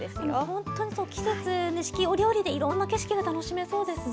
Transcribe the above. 本当に季節に四季折々にいろんな景色が楽しめそうですね。